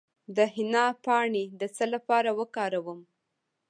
د حنا پاڼې د څه لپاره وکاروم؟